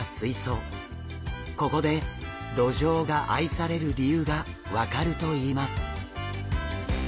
ここでドジョウが愛される理由が分かるといいます。